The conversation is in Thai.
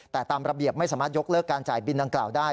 แต่ตามระเบียบไม่สามารถยกเลิกการจ่ายบินดังกล่าวได้